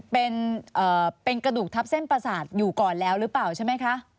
เป็นกระดูกทับเส้นประสาทอยู่ก่อนแล้วหรือเปล่าใช่ไหมคะ